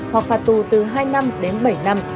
hoặc phạt tù từ hai năm đến bảy năm